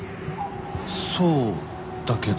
そうだけど。